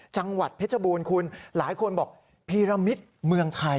จังหวัดเพชรบูรณ์คุณหลายคนบอกพีรมิตรเมืองไทย